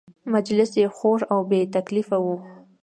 مجلس یې خوږ او بې تکلفه و.